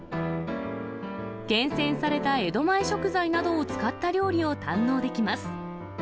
厳選された江戸前食材などを使った料理を堪能できます。